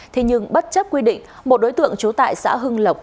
thế nhưng bất chấp quy định một đối tượng trú tại xã hưng lộc